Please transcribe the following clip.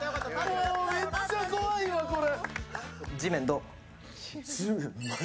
もうめっちゃ怖いわ、これ。